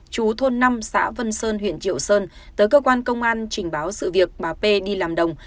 chú thôn năm xã vân sơn huyện triệu sơn tới cơ quan công an trình báo sự việc bà p đi làm đồng